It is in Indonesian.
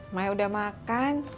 mai udah makan